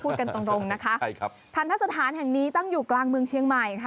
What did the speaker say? พูดกันตรงนะคะทัณฑสถานแห่งนี้ตั้งอยู่กลางเมืองเชียงใหม่นะคะ